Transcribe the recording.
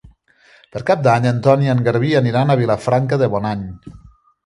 Per Cap d'Any en Ton i en Garbí aniran a Vilafranca de Bonany.